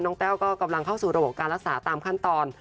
แต้วก็กำลังเข้าสู่ระบบการรักษาตามขั้นตอน